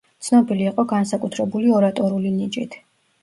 ცნობილი იყო განსაკუთრებული ორატორული ნიჭით.